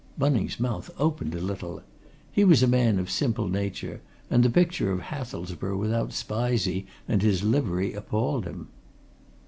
Bunning's mouth opened a little. He was a man of simple nature, and the picture of Hathelsborough without Spizey and his livery appalled him.